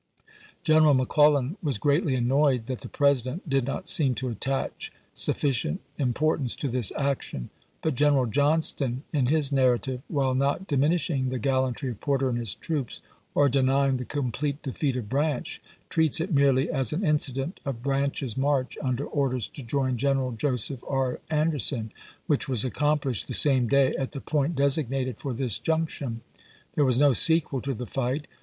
General McClellan was greatly annoyed that the President did not seem to attach sufiicient importance to this action; but General Johnston in his " Narrative," while not diminishing the gallantry of Porter and his troops, or denying the complete defeat of Branch, treats it merely as an incident of Branch's march under orders to join General Joseph R. Anderson, which was accom plished the same day at the point designated for this junction. There was no sequel to the fight.